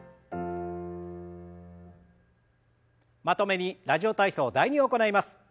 まとめに「ラジオ体操第２」を行います。